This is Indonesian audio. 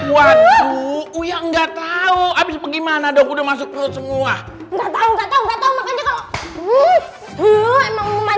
waduh uya nggak tahu abis gimana dong udah masuk semua